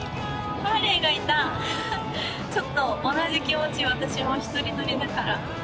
フフッちょっと同じ気持ち私も一人乗りだから。